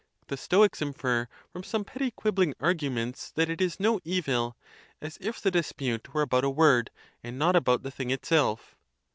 The Stoics infer from some petty quibbling arguments that it is no evil, as if the dispute were about a word, and not about the thing itself.